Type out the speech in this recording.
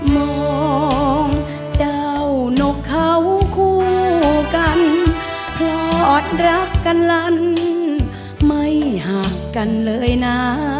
มองเจ้านกเขาคู่กันคลอดรักกันลันไม่ห่างกันเลยนะ